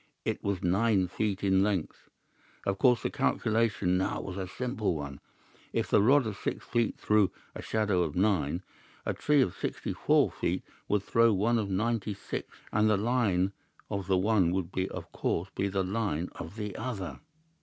It was nine feet in length. "Of course the calculation now was a simple one. If a rod of six feet threw a shadow of nine, a tree of sixty four feet would throw one of ninety six, and the line of the one would of course be the line of the other.